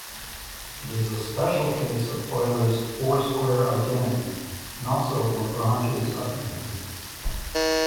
It is a special case of Euler's four-square identity, and also of Lagrange's identity.